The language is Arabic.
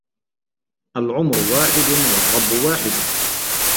العمر واحد والرب واحد